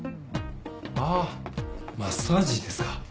あっマッサージですか？